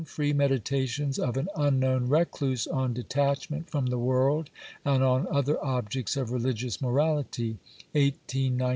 "Free Meditations of an Unknown Recluse, on De tachment from the World and on other Objects of Religious Morality," 18 19.